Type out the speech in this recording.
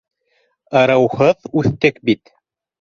Ырыуһыҙ үҫтек бит